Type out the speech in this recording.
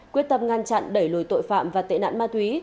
quyết tâm ngăn chặn đẩy lùi tội phạm và tệ nạn ma túy